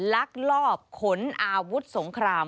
ลักลอบขนอาวุธสงคราม